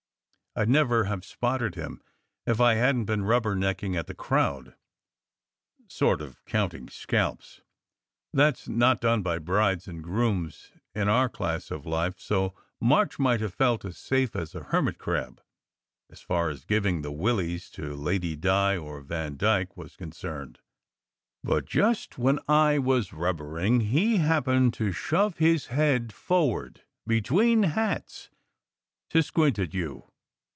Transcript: "I d never have spotted him, if I hadn t been rubber necking at the crowd, sort of counting scalps. That s not done by brides and grooms in our class of life, so March might have felt as safe as a hermit crab, as far as 196 SECRET HISTORY giving the willies to Lady Di or Vandyke was concerned. But just when I was rubbering, he happened to shove his head forward between hats to squint at you."